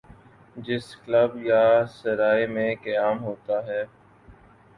جس کلب یا سرائے میں قیام ہوتا ہے۔